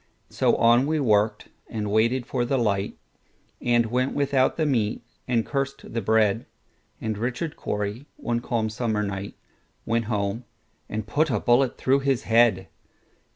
So on we worked, and waited for the light, And went without the meat, and cursed the bread; And Richard Cory, one calm summer night, Went home and put a bullet through his head.